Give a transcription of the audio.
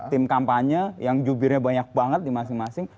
tim kampanye yang jubirnya banyak banget di masing masing